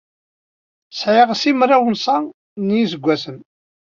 Sɛiɣ simraw-sa n yiseggasen.